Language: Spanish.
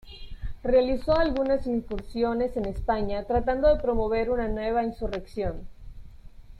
Realizó algunas incursiones en España tratando de promover una nueva insurrección.